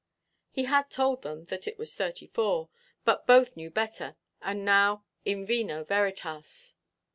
He had told them that it was '34, but both knew better; and now "in vino veritas."